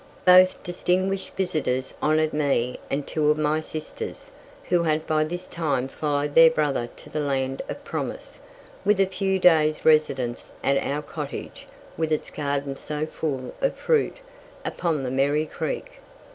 Both distinguished visitors honoured me and two of my sisters, who had by this time followed their brother to the land of promise, with a few days' residence at our cottage, with its garden so full of fruit, upon the Merri Creek.